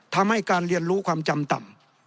ทำให้การเรียนรู้ความจำต่ำ